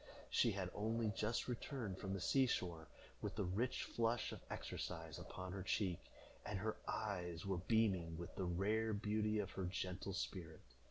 She had only just returned from the sea shore, with the rich flush of exercise upon her cheek, and her eyes were beaming with the rare beauty of her gentle spirit.